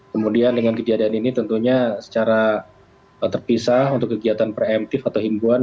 kemudian dengan kejadian ini tentunya secara terpisah untuk kegiatan pre emptive atau imbuan